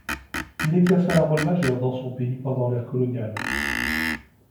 Il exerça un rôle majeur dans son pays pendant l'ère coloniale.